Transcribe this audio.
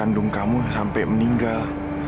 kandung kamu sampai meninggal